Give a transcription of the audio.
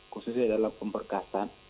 khususnya dalam pemberkasan